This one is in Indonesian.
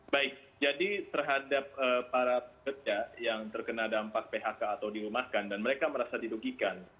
baik jadi terhadap para pekerja yang terkena dampak phk atau dirumahkan dan mereka merasa didugikan